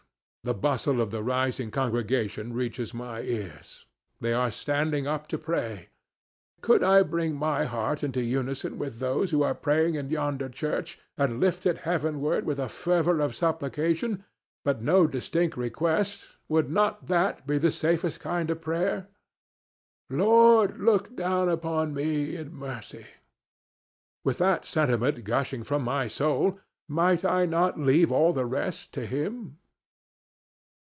The bustle of the rising congregation reaches my ears. They are standing up to pray. Could I bring my heart into unison with those who are praying in yonder church and lift it heavenward with a fervor of supplication, but no distinct request, would not that be the safest kind of prayer?—"Lord, look down upon me in mercy!" With that sentiment gushing from my soul, might I not leave all the rest to him?